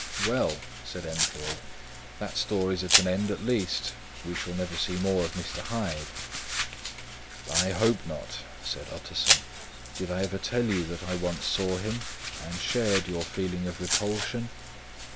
"Well," said Enfield, "that story's at an end at least. We shall never see more of Mr. Hyde." "I hope not," said Utterson. "Did I ever tell you that I once saw him, and shared your feeling of repulsion?"